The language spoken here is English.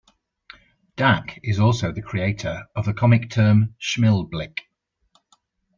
Dac is also the creator of the comic term Schmilblick.